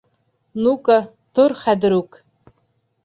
Ну-ка, тор хәҙер үк!